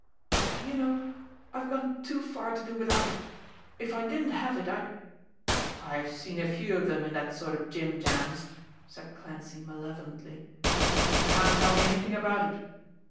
"You know I've gone too far to do without it. If I didn't have it, I " "I've seen a few of them in that sort of jim jams," said Clancy malevolently. "You can't tell me anything about it.